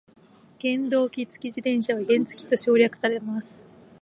原動機付き自転車は原付と省略されます。